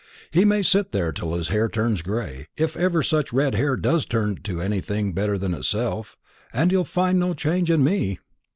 "He may sit there till his hair turns gray if ever such red hair does turn to anything better than itself and he'll find no change in me.